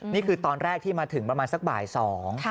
นี่คือตอนแรกที่มาถึงประมาณสักบ่ายสอง